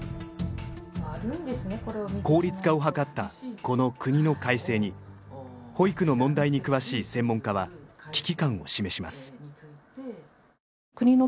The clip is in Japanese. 効率化を図ったこの国の改正に保育の問題に詳しい専門家は危機感を示します。